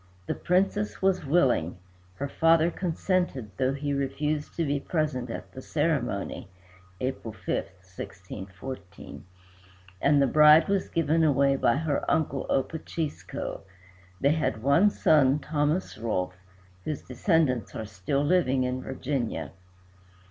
The Princess was willing, her father consented, though he refused to be present at the ceremony (April 5, 1614), and the bride was given away by her uncle Opachisco. They had one son, Thomas Rolfe, whose descendants are still living in Virginia.